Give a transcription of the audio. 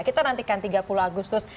kita nantikan tiga puluh agustus